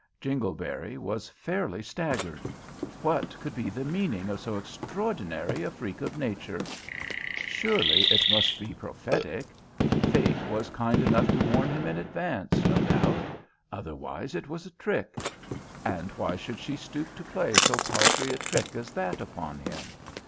Jingleberry was fairly staggered. What could be the meaning of so extraordinary a freak of nature? Surely it must be prophetic. Fate was kind enough to warn him in advance, no doubt; otherwise it was a trick. And why should she stoop to play so paltry a trick as that upon him?